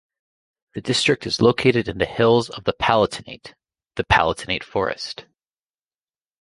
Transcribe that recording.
The district is located in the hills of the Palatinate, the Palatinate forest.